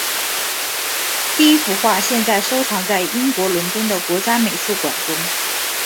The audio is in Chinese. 第一幅画现在收藏在英国伦敦的国家美术馆中。